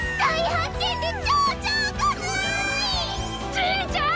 じいちゃん！